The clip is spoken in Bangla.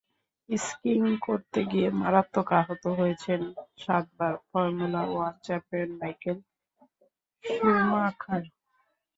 স্কিং করতে গিয়ে মারাত্মক আহত হয়েছেন সাতবার formula one champion Michael Schumacher.